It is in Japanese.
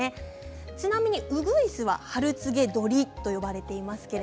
ちなみにウグイスは春告鳥と呼ばれています。